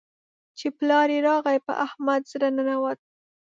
چې پلار يې راغی؛ په احمد زړه ننوت.